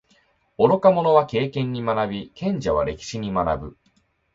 愚か者は経験に学び，賢者は歴史に学ぶ。